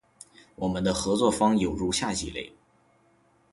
我们的合作方有如下几类：